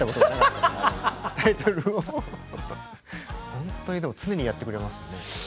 ほんとに常にやってくれますよね。